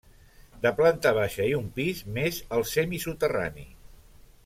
De planta baixa i un pis, més el semisoterrani.